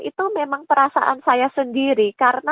itu memang perasaan saya sendiri karena